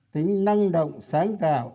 tính năng động sáng tạo